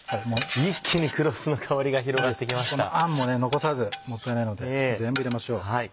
残さずもったいないので全部入れましょう。